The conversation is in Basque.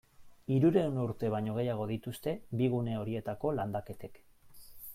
Hirurehun urte baino gehiago dituzte bi gune horietako landaketek.